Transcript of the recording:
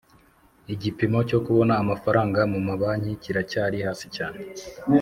Igipimo cyo kubona amafaranga mu mabanki kiracyari hasi cyane